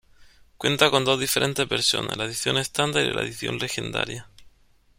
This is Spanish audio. Cuenta con dos diferentes versiones, la edición estándar y la edición legendaria.